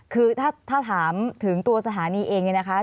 คือถ้าถามถึงตัวสถานีเองเนี่ยนะคะ